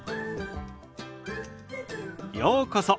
ようこそ。